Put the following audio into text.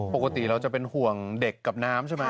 ปกติเราจะเป็นห่วงเด็กกับน้ำใช่ไหม